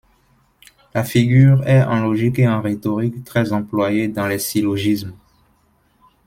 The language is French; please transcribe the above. La figure est, en logique et en rhétorique, très employée dans les syllogismes.